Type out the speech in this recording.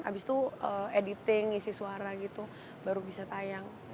abis itu editing ngisi suara gitu baru bisa tayang